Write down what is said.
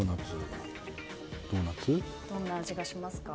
どんな味がしますか？